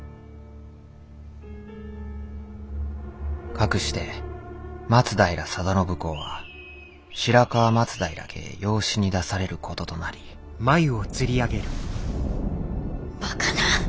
かくして松平定信公は白河松平家へ養子に出されることとなりバカな！